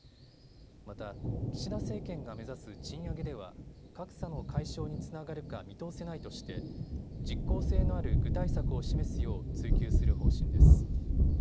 また、岸田政権が目指す賃上げでは格差の解消につながるか見通せないとして実効性のある具体策を示すよう追及する方針です。